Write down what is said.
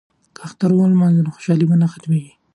که اختر ولمانځو نو خوشحالي نه ختمیږي.